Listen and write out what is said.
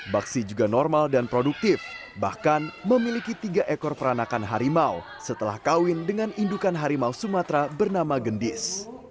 baksi juga normal dan produktif bahkan memiliki tiga ekor peranakan harimau setelah kawin dengan indukan harimau sumatera bernama gendis